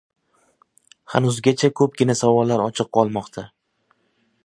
Hanuzgacha ko'pgina savollar ochiq qolmoqda.